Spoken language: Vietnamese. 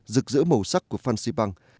rực rỡ màu sắc của phan xipang